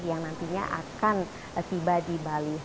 yang nantinya akan tiba di bali